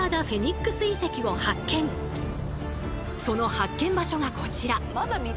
その発見場所がこちら。